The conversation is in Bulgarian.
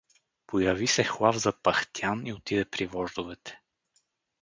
Появи се Хлав запъхтян и отиде при вождовете.